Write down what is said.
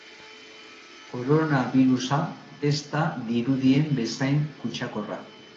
Koronabirusa ez da dirudien bezain kutsakorra.